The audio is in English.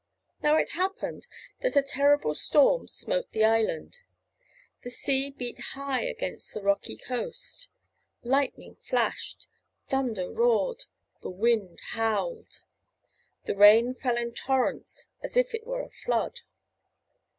Now it happened that a terrible storm smote the island. The sea beat high against the rocky coast. Lightning flashed. Thunder roared. The wind howled. The rain fell in torrents as if it were a flood.